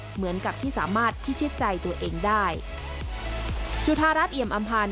เหมือนกับที่สามารถพิชิตใจตัวเองได้